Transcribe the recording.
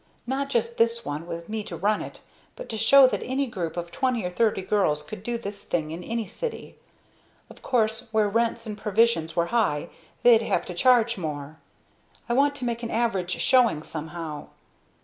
Not just this one, with me to run it. But to show that any group of twenty or thirty girls could do this thing in any city. Of course where rents and provisions were high they'd have to charge more. I want to make an average showing somehow.